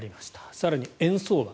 更に円相場。